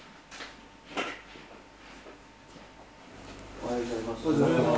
おはようございます。